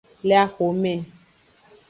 Le axome.